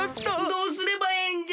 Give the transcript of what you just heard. どうすればええんじゃ！